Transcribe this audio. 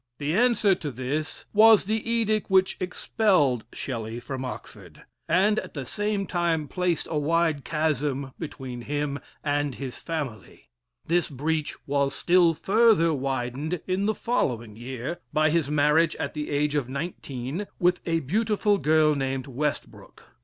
The answer to this was the edict which expelled Shelley from Oxford, and at the same time placed a wide chasm between him and his family. This breach was still further widened in the following year by his marriage, at the age of nineteen, with a beautiful girl named Westbrook.